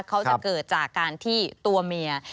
เขาจะเกิดจากการที่ตัวเมีย